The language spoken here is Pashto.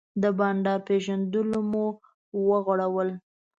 د بانډار پیژلونه مو وغوړول.